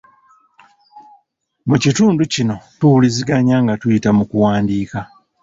Mu kitundu kino tuwuliziganya nga tuyita mu kuwandiika.